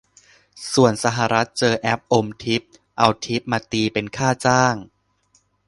ส่วนสหรัฐเจอแอปอมทิป เอาทิปมาตีเป็นค่าจ้าง